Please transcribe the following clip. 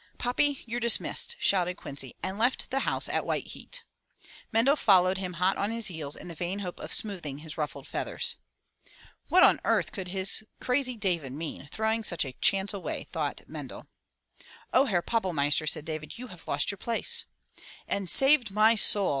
"Poppy, you're dismissed,'' shouted Quincy and left the house at white heat. Mendel followed him hot on his heels in the vain hope of smoothing his ruffled feathers. What on earth could his crazy David mean throwing such a chance away? thought Mendel. "Oh, Herr Pappelmeister," said David, "you have lost your place!" "And saved my soul!"